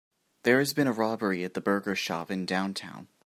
There has been a robbery at the burger shop in downtown.